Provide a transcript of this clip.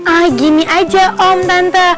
ah gini aja om tante